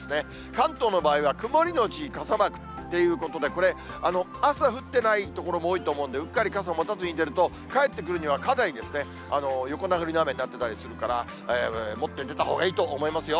関東の場合は曇り後傘マークということで、これ、朝降ってない所も多いと思うんですが、うっかり傘持たずに出ると、帰ってくるころにはかなり横殴りの雨になってたりするから、持って出たほうがいいと思いますよ。